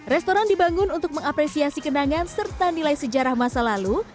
restoran dibangun untuk mengapresiasi kenangan serta nilai sejarah masa lalu